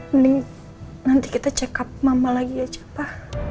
mending nanti kita cek up mama lagi aja pa